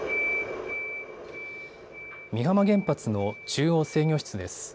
美浜原発の中央制御室です。